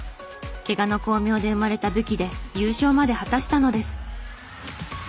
怪我の功名で生まれた武器で優勝まで果たしたのです。